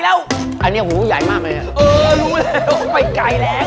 ร้านนี้ผมจัดให้อยู่ไหนอยู่ไหนบอกเลย